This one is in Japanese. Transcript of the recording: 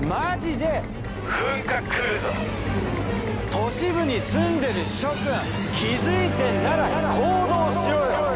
都市部に住んでる諸君気づいてるなら行動しろよ。